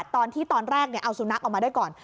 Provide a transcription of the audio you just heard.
ตอนที่ตอนแรกเอาสุนัขออกมาด้วยก่อน